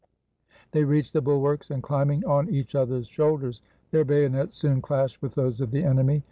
They reached the bulwarks, and, climbing on each other's shoulders, their bayonets soon clashed with those of the enemy.